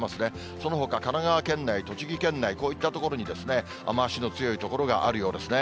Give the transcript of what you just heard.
そのほか神奈川県内、栃木県内、こういった所に雨足の強い所があるようですね。